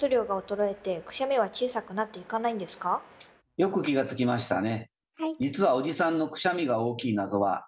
よく気が付きましたね。